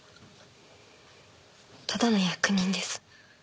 ただの役人です。